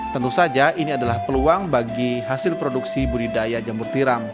tentu saja ini adalah peluang bagi hasil produksi budidaya jamur tiram